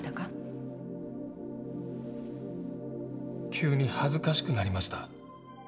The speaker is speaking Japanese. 急に恥ずかしくなりました。